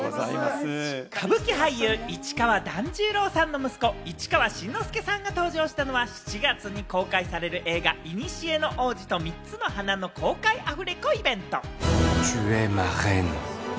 歌舞伎俳優・市川團十郎さんの息子、市川新之助さんが登場したのは７月に公開される映画『古の王子と３つの花』の公開アフレコイベント。